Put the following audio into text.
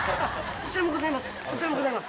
こちらもございます！